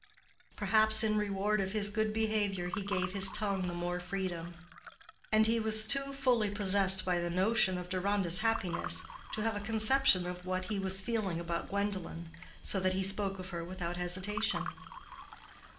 Perhaps in reward of his good behavior he gave his tongue the more freedom; and he was too fully possessed by the notion of Deronda's happiness to have a conception of what he was feeling about Gwendolen, so that he spoke of her without hesitation.